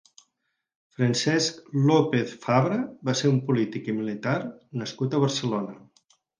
Francesc López Fabra va ser un polític i militar nascut a Barcelona.